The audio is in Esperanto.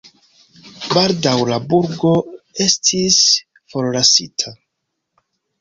Baldaŭe la burgo estis forlasita.